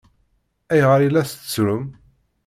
Ayɣer i la tettrum?